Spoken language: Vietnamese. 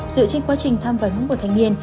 dựa trên quá trình tham vấn của thanh niên